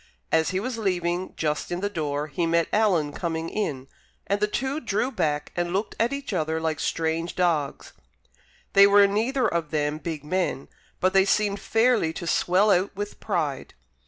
As he was leaving, just in the door, he met Alan coming in; and the two drew back and looked at each other like strange dogs. They were neither of them big men, but they seemed fairly to swell out with pride.